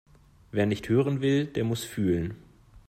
Wer nicht hören will, der muss fühlen.